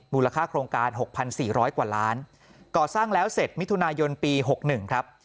โครงการ๖๔๐๐กว่าล้านก่อสร้างแล้วเสร็จมิถุนายนปี๖๑ครับ